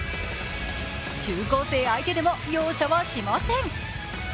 中高生相手でも容赦はしません。